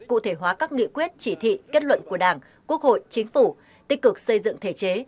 cụ thể hóa các nghị quyết chỉ thị kết luận của đảng quốc hội chính phủ tích cực xây dựng thể chế